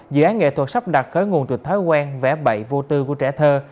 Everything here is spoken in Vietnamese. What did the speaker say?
dự án nghệ thuật sắp đặt khởi nguồn từ thói quen vẽ bậy vô tư của trẻ thơ